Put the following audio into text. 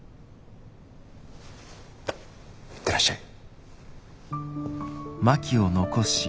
行ってらっしゃい。